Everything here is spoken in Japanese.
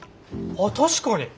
あっ確かに。